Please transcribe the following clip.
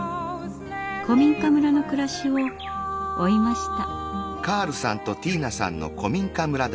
古民家村の暮らしを追いました。